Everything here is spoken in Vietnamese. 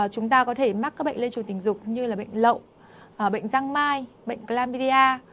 chúng ta có thể mắc các bệnh lây truyền tình dục như là bệnh lậu bệnh răng mai bệnh clambia